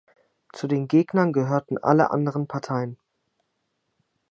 Zu den Gegnern gehörten alle anderen Parteien.